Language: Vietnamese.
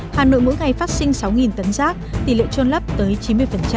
hà nội mỗi ngày phát sinh sáu tấn rác tỷ lệ trôn lấp tới chín mươi